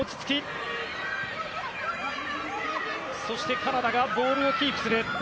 カナダがボールをキープする。